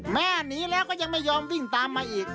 หนีแล้วก็ยังไม่ยอมวิ่งตามมาอีก